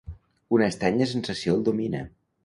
Una estranya sensació el domina.